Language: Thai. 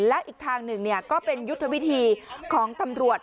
และอีกทางหนึ่งก็เป็นยุทธวิธีของตำรวจ